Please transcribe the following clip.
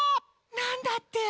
なんだって！？